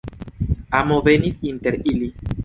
Amo venis inter ili.